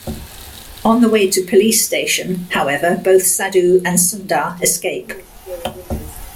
On the way to Police Station, however, both Sadhu and Sundar escape.